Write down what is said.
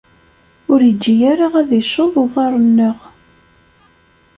Ur iǧǧi ara ad icceḍ uḍar-nneɣ.